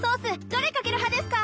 どれかける派ですか？